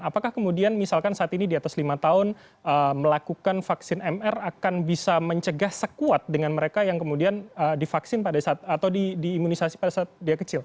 apakah kemudian misalkan saat ini di atas lima tahun melakukan vaksin mr akan bisa mencegah sekuat dengan mereka yang kemudian divaksin pada saat atau diimunisasi pada saat dia kecil